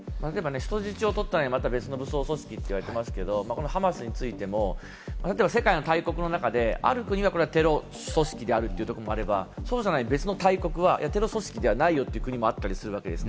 人質を取ったり、また別の武装組織とも言われてますけれども、ハマスについても世界の大国の中で、ある国はこれはテロ組織であるという国もあれば、そうじゃない別の大国はテロ組織ではないよという国もあったりするわけです。